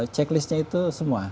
checklistnya itu semua